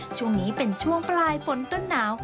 ช่วงนี้เป็นช่วงปลายฝนต้นหนาว